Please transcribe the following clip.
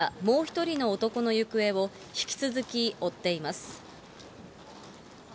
警視庁は、店に押し入ったもう１人の男の行方を引き続き追っています。